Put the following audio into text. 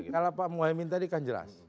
kalau pak muhaymin tadi kan jelas